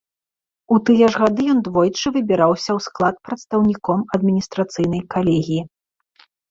У тыя ж гады ён двойчы выбіраўся ў склад прадстаўніком адміністрацыйнай калегіі.